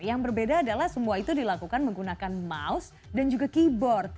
yang berbeda adalah semua itu dilakukan menggunakan mouse dan juga keyboard